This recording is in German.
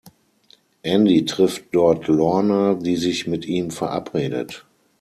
Andy trifft dort Lorna, die sich mit ihm verabredet.